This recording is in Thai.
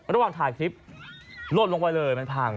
ระหว่างถ่ายคลิปลดลงไปเลยมันพัง